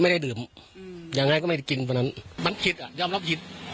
ไม่ได้ดื่มอย่างไรก็ไม่ได้กินเพราะฉะนั้นมันคิดอ่ะยอมรับหยิต